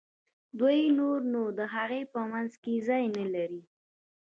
دوی نور نو د هغوی په منځ کې ځای نه لري.